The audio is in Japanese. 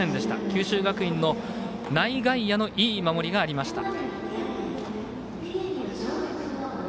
九州学院の内外野のいい守りがありました。